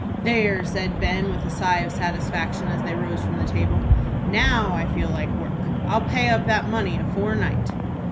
"There," said Ben, with a sigh of satisfaction, as they rose from the table, "now I feel like work; I'll pay up that money afore night."